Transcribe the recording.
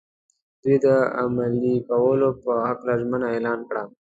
دوی د عملي کولو په هکله ژمنه اعلان کړه.